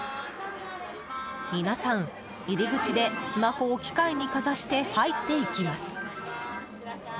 皆さん入り口でスマホを機械にかざして入っていきます。